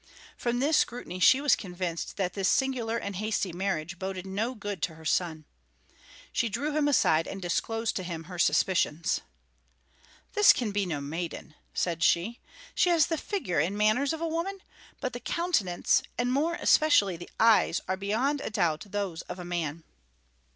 From this scrutiny she was convinced that this singular and hasty marriage boded no good to her son. She drew him aside, and disclosed to him her suspicions. "This can be no maiden," said she. "She has the figure and manners of a woman, but the countenance, and more especially the eyes, are beyond a doubt those of a man."